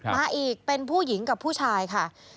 มาอีกเป็นผู้หญิงกับผู้ชายค่ะ